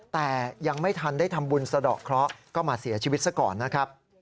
แต่ยังไม่ทันได้ทำบุญสะดอกเคราะห์ก็มาเสียชีวิตซะก่อนนะครับ